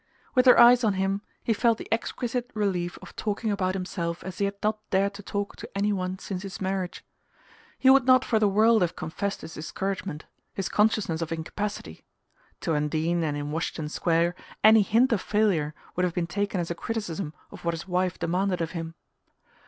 With her eyes on him he felt the exquisite relief of talking about himself as he had not dared to talk to any one since his marriage. He would not for the world have confessed his discouragement, his consciousness of incapacity; to Undine and in Washington Square any hint of failure would have been taken as a criticism of what his wife demanded of him.